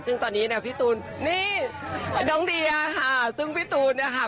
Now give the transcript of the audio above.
ซึ่งตอนนี้เนี่ยพี่ตูนนี่น้องเดียค่ะซึ่งพี่ตูนเนี่ยค่ะ